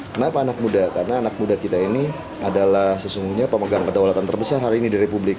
kenapa anak muda karena anak muda kita ini adalah sesungguhnya pemegang kedaulatan terbesar hari ini di republik